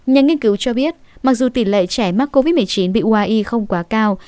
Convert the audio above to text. nhà nghiên cứu cho biết mặc dù tỷ lệ trẻ mắc covid một mươi chín bị uai không quá cao